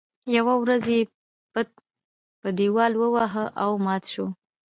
يوه ورځ یې بت په دیوال وواهه او مات شو.